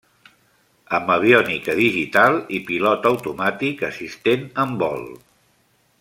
Amb aviònica digital i pilot automàtic assistent en vol.